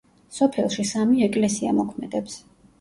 სოფელში სამი ეკლესია მოქმედებს.